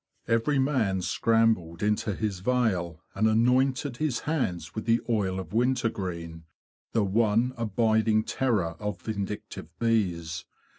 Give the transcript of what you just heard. Every man scrambled into his veil, and anointed his hands with the oil of wintergreen—the one abiding terror of vindictive bees.